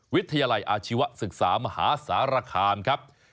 วิทยาลัยอาชีวศึกษามหาสารคามครับ